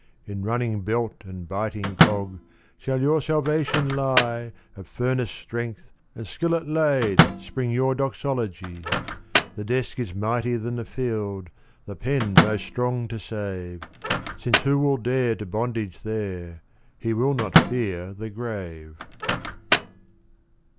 In running belt and biting cog Shall your salvation lie Of furnace strength and skill at lathe Spring your doxology. The desk is mightier than the field The pen most strong to save Since who will dare to bondage there He will not fear the grave.'